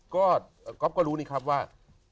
ก็ก๊อฟก็รู้นี่ครับว่า